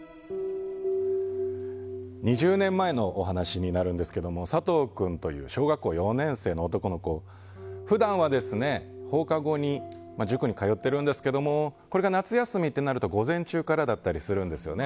２０年前のお話になるんですけども佐藤君という小学校４年生の男の子普段は放課後塾に通っているんですけどもこれが夏休みってなると午前中からだったりするんですよね。